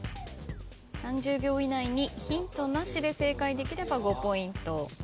３０秒以内にヒントなしで正解できれば５ポイント。